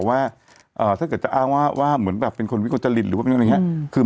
อ่าถ้าเกิดจะอ้างว่าว่าเหมือนแบบเป็นคนวิเวิร์ฟโจรินหรือว่าเป็นยังไงนะอืม